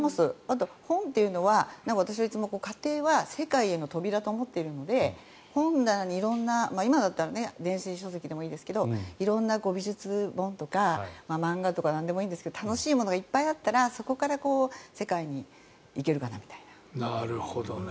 あと本は私は、いつも家庭は世界への扉だと思っているので本棚に色んな今だったら電子書籍でもいいですけど美術書籍とか漫画とかなんでもいいですが楽しいものがあったらそこから世界に行けるかなみたいな。